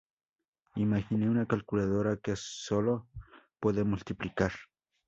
Imagine una calculadora que sólo puede multiplicar.